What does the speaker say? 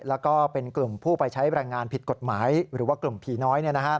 แล้วก็เป็นกลุ่มผู้ไปใช้แรงงานผิดกฎหมายหรือว่ากลุ่มผีน้อย